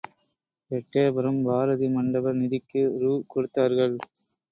எட்டயபுரம் பாரதி மண்டப நிதிக்கு ரூ. கொடுத்தார்கள்.